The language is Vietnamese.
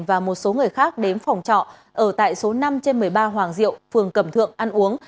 và một số người khác đến phòng trọ ở tại số năm trên một mươi ba hoàng diệu phường cẩm thượng ăn uống